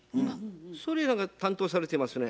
それ何か担当されてますね。